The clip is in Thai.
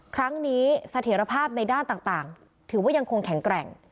ครั้งนี้เสถียรภาพในด้านต่างถือว่ายังคงแข็งแกร่ง